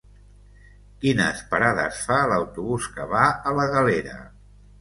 Quines parades fa l'autobús que va a la Galera?